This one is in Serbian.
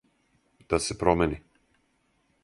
Да се промени.